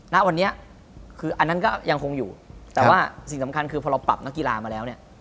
ณวันนี้คืออันนั้นก็ยังคงอยู่แต่ว่าสิ่งสำคัญคือพอเราปรับนักกีฬามาแล้วเนี่ย